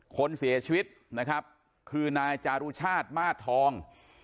คนเสียชีวิตนะครับคือนายจารุชาติมาสทอง